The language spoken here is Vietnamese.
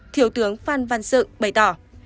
thiếu tướng phan văn dựng bày tỏ